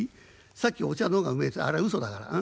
さっきお茶の方がうめえってあれうそだからうん。